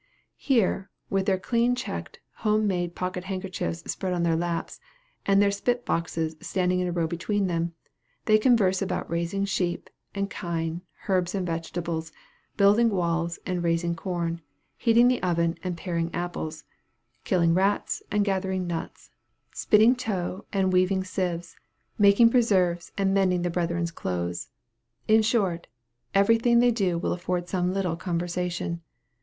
Here, with their clean checked home made pocket handkerchiefs spread in their laps, and their spit boxes standing in a row between them, they converse about raising sheep and kine, herbs and vegetables, building walls and raising corn, heating the oven and paring apples, killing rats and gathering nuts, spinning tow and weaving sieves, making preserves and mending the brethren's clothes, in short, every thing they do will afford some little conversation.